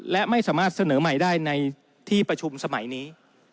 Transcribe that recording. และไม่สามารถเสนอใหม่ได้ในที่ประชุมสมัยนี้